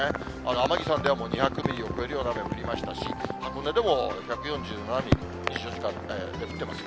天城山では２００ミリを超えるような雨も降りましたし、箱根でも１４７ミリ、２４時間で降ってます。